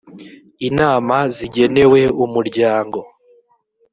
inama zigenewe umuryango